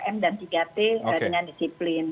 tiga m dan tiga t dengan disiplin